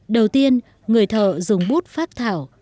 đầu tiên người thợ dùng bút phát thảo